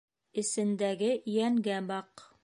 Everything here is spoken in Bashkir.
Эсендәге йәнгә баҡ.